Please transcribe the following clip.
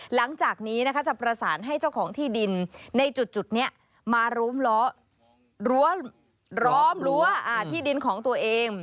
หลังจากนี้นะคะจะประสานให้เจ้าของที่ดินในจุดนี้มาร้อมล้อมรั้วที่ดินของตัวเอง